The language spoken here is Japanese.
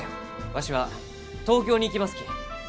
わしは東京に行きますき。